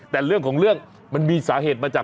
แต่เรื่องของเรื่องมันมีสาเหตุมาจาก